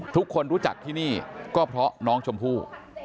ทุกคนรู้จักที่นี่ก็เพราะน้องชมพู่